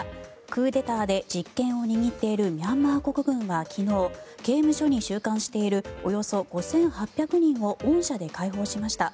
クーデターで実権を握っているミャンマー国軍は昨日刑務所に収監しているおよそ５８００人を恩赦で解放しました。